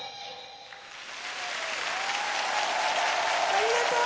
ありがとう！